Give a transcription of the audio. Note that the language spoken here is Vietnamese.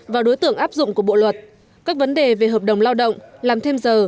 và đối tượng áp dụng của bộ luật các vấn đề về hợp đồng lao động làm thêm giờ